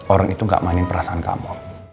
orang itu gak mainin perasaan kamu